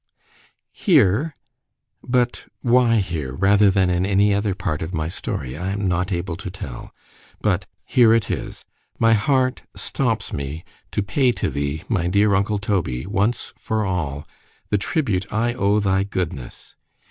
—— Here——but why here——rather than in any other part of my story——I am not able to tell:——but here it is——my heart stops me to pay to thee, my dear uncle Toby, once for all, the tribute I owe thy goodness.